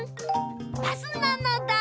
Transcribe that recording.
バスなのだ！